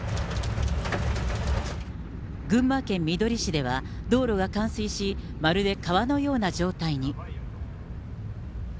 群馬県みどり市では、道路が冠水し、まるで川のような状態に。